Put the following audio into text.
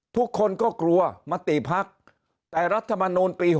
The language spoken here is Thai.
ทุกคนก็กลัวมติภักดิ์แต่รัฐมนูลปี๖๐